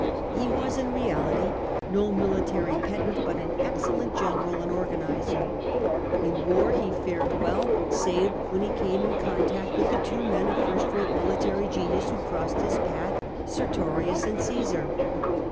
He was in reality no military pedant but an excellent general and organiser. In war he fared well, save when he came in contact with tlie two men of first rate military genius who crossed his path, Sertorius and Csosar.